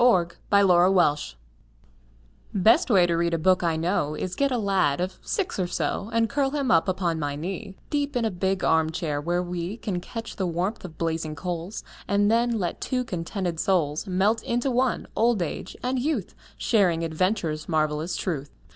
Best Way to Read a Book Best way to read a book I know Is get a lad of six or so, And curl him up upon my knee Deep in a big arm chair, where we Can catch the warmth of blazing coals, And then let two contented souls Melt into one, old age and youth, Sharing adventure's marvelous truth.